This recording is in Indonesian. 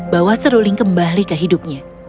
bahwa seruling kembali ke hidupnya